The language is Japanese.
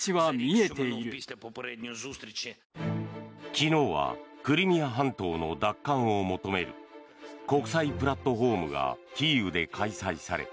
昨日はクリミア半島の奪還を求める国際プラットフォームがキーウで開催され